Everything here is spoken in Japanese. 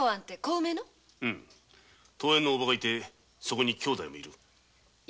遠縁のおばがいてそこに姉弟もいる。